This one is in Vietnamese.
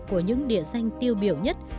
của những địa danh tiêu biểu nhất